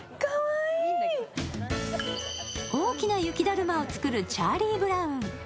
大きな雪だるまを作るチャーリー・ブラウン。